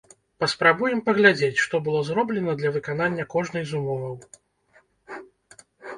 Паспрабуем паглядзець, што было зроблена для выканання кожнай з умоваў.